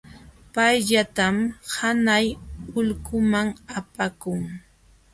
Payllaytam hanay ulquman apakun.